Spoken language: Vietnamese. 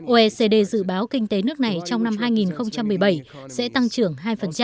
oecd dự báo kinh tế nước này trong năm hai nghìn một mươi bảy sẽ tăng trưởng hai